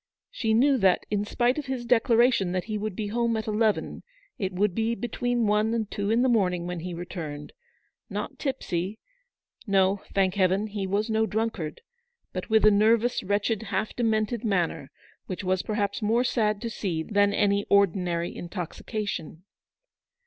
She knew that, in spite of his declaration that he would be home at eleven, it would be between one and two in the morn ing when he returned; not tipsy — no, thank Heaven, he was no drunkard — but with a nervous, wretched, half demented manner, which was perhaps more sad to see than any ordinary intoxication.